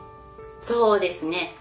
そうですね。